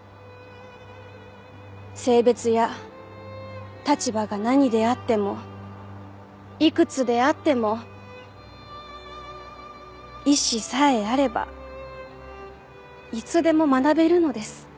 性別や立場が何であってもいくつであっても意志さえあればいつでも学べるのです。